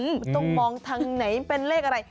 มันต้องมองทางไหนเป็นเลขอะไร